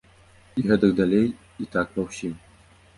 І гэтак далей, і так ва ўсім.